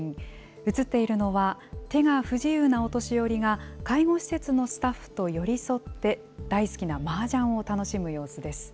写っているのは、手が不自由なお年寄りが、介護施設のスタッフと寄り添って大好きなマージャンを楽しむ様子です。